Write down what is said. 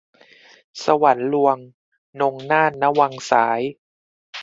สวรรค์ลวง - นงนาถ ณ วังสาย